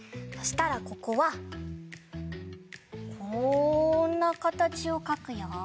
そしたらここはこんなかたちをかくよ。